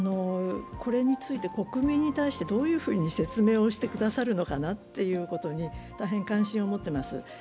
これについて、国民に対してどういうふうに説明をしてくださるのかなということに大変関心を持っています。